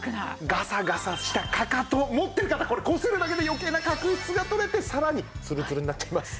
ガサガサしたかかとを持ってる方これこするだけで余計な角質が取れてさらにつるつるになっちゃいます。